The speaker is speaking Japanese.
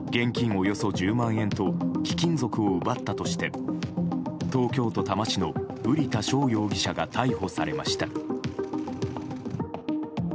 およそ１０万円と貴金属を奪ったとして東京都多摩市の瓜田翔容疑者が逮捕されました。